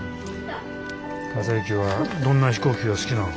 正行はどんな飛行機が好きなん？